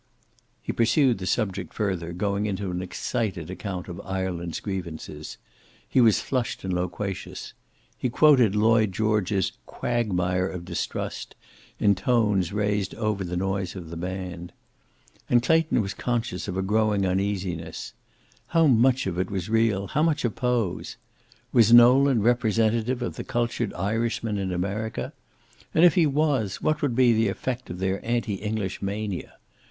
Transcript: He pursued the subject further, going into an excited account of Ireland's grievances. He was flushed and loquacious. He quoted Lloyd George's "quagmire of distrust" in tones raised over the noise of the band. And Clayton was conscious of a growing uneasiness. How much of it was real, how much a pose? Was Nolan representative of the cultured Irishman in America? And if he was, what would be the effect of their anti English mania?